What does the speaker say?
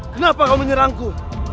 kenapa kau menyerangku